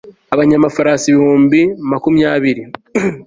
abanyamafarasi ibihumbi makumyabiri